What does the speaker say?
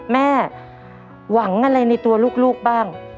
แม่หวังอะไรในตัวลูกบ้าง